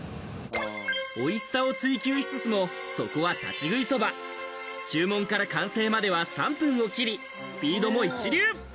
美味しさを追求しつつも、そこは立ち食いそば、注文から完成までは３分を切り、スピードも一流。